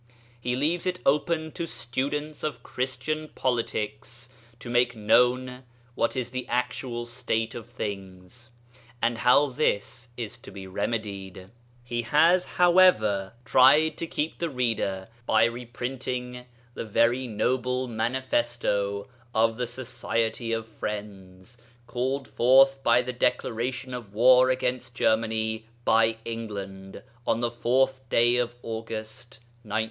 He leaves it open to students of Christian politics to make known what is the actual state of things, and how this is to be remedied. He has, however, tried to help the reader by reprinting the very noble Manifesto of the Society of Friends, called forth by the declaration of war against Germany by England on the fourth day of August 1914.